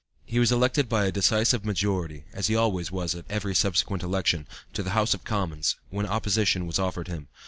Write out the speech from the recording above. He was elected by a decisive majority (as he always was at every subsequent election) to the House of Commons, when opposition was offered him.